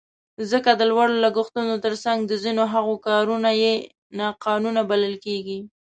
ځکه د لوړو لګښتونو تر څنګ د ځینو هغو کارونه یې ناقانونه بلل کېږي.